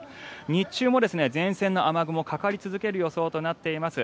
日中も前線の雨雲かかり続ける予想となっています